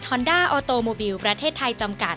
วันนี้ขอบคุณพี่อมนต์มากเลยนะครับ